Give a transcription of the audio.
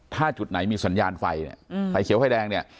ถ้าจุดไหนมีสัญญาณไฟไข่เขียวไข่แดงเนี่ย